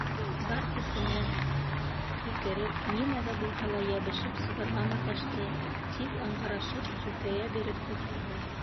Бар көсөнә һикереп, нимәгә булһа ла йәбешеп сығырға маташты, тик ыңғырашып сүкәйә биреп ултырҙы.